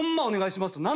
お願いします。